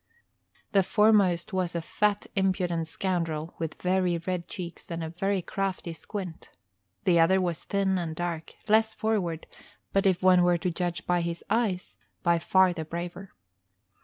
The foremost was a fat, impudent scoundrel with very red cheeks and a very crafty squint. The other was thin and dark, less forward, but if one were to judge by his eyes, by far the braver.